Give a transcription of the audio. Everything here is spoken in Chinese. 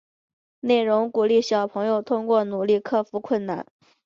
内容鼓励小朋友通过努力克服困难。